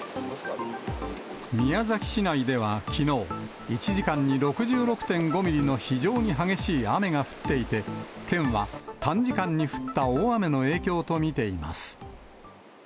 宮崎市内ではきのう、１時間に６６．５ミリの非常に激しい雨が降っていて、県は、短時間に降った大雨の影響と見ています。